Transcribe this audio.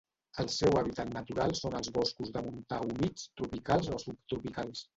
El seu hàbitat natural són els boscos de montà humits tropicals o subtropicals.